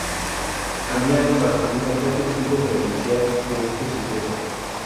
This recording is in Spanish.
Amiano Marcelino fue testigo presencial de este suceso.